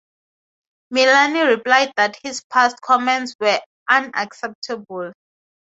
Milani replied that his past comments were "unacceptable".